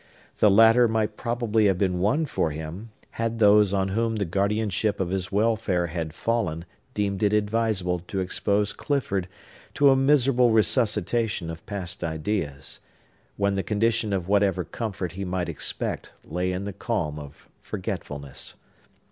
The latter might probably have been won for him, had those on whom the guardianship of his welfare had fallen deemed it advisable to expose Clifford to a miserable resuscitation of past ideas, when the condition of whatever comfort he might expect lay in the calm of forgetfulness.